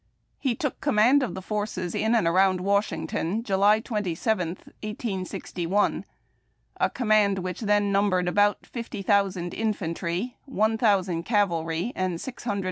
He took command of the forces in and around Washington July 27, 1861, a command which then numbered about fifty thousand infantry, one thousand cavalry, and six hundred